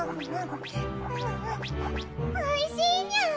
おいしいニャン。